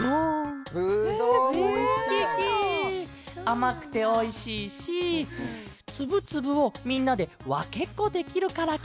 あまくておいしいしつぶつぶをみんなでわけっこできるからケロ！